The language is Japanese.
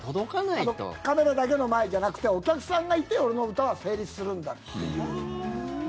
あとカメラだけの前じゃなくてお客さんがいて俺の歌は成立するんだっていう。